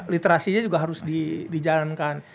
literasinya juga harus dijalankan